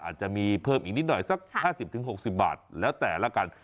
อาจจะมีเพิ่มอีกนิดหน่อยสัก๕๐๖๐บาทแล้วแต่ละกัน